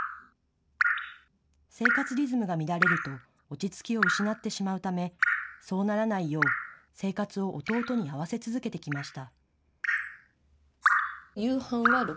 生活リズムが乱れると落ち着きを失ってしまうためそうならないよう生活を弟に合わせ続けてきました。